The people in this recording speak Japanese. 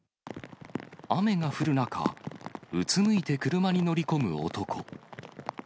雨が降る中、うつむいて車に乗り込む男。